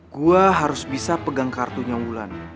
gue harus bisa pegang kartunya wulan